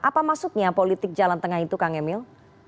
apa maksudnya politik jalan tengah itu kang emil